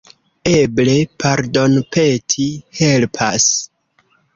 Eble pardonpeti helpas.